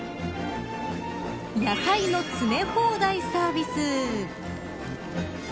野菜の詰め放題サービス。